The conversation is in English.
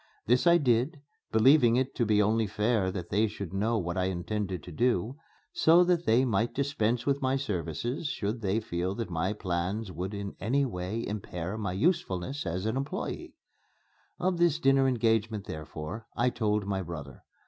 This I did, believing it to be only fair that they should know what I intended to do, so that they might dispense with my services should they feel that my plans would in any way impair my usefulness as an employé. Of this dinner engagement, therefore, I told my brother.